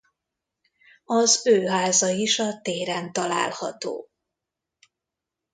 Az ő háza is a téren található.